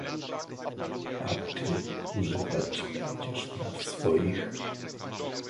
a ty używać będziesz praw swoich,